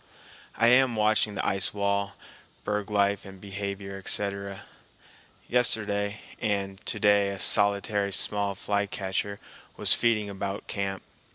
I am watching the ice wall, berg life and behavior, etc. Yesterday and to day a solitary small flycatcher was feeding about camp.